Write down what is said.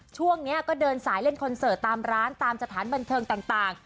ช่วงนี้ก็เดินสายเล่นคอนเสิร์ตตามร้านตามสถานบันเทิงต่าง